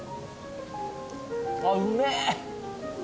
あっうめえ。